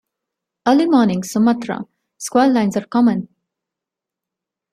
Early morning "Sumatra" squall lines are common.